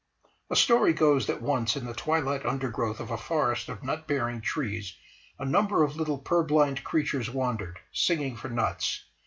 A story goes that once in the twilight undergrowth of a forest of nut bearing trees a number of little purblind creatures wandered, singing for nuts.